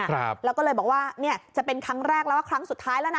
เราก็เลยบอกว่าจะเป็นครั้งแรกแล้วครั้งสุดท้ายแล้วนะ